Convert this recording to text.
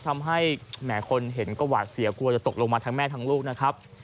ทำให้แหมคนเห็นก็หวาดเสียกลัวจะตกลงมาทั้งแม่ทั้งลูกนะครับ